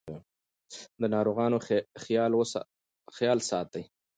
د ناروغانو خیال ساتئ.